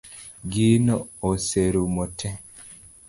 Gino oserumo tee